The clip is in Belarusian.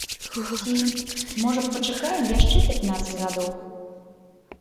Ці, можа, пачакаем яшчэ пятнаццаць гадоў?